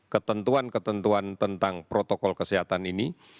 ketentuan ketentuan tentang protokol kesehatan ini